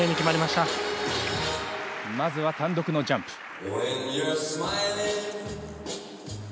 まずは単独のジャンプ。